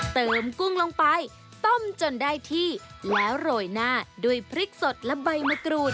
กุ้งลงไปต้มจนได้ที่แล้วโรยหน้าด้วยพริกสดและใบมะกรูด